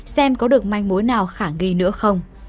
xem có được manh mối nào khả nghi nữa không